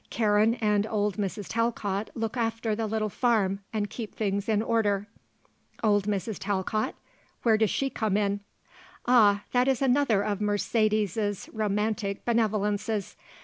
Karen and old Mrs. Talcott look after the little farm and keep things in order." "Old Mrs. Talcott? Where does she come in?" "Ah, that is another of Mercedes's romantic benevolences.